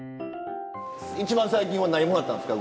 一番最近は何もらったんですか？